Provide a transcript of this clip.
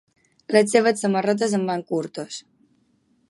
Les seves samarretes em van curtes.